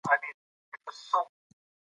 انګور د ټولو افغانانو ژوند په کلکه اغېزمنوي.